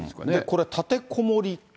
これ、立てこもりか？